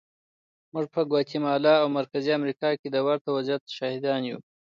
موږ په ګواتیمالا او مرکزي امریکا کې د ورته وضعیت شاهدان یو.